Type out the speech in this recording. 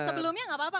sebelumnya gak apa apa